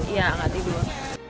iya nggak tidur